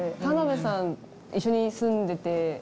田辺さん一緒に住んでて。